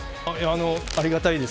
ありがたいです。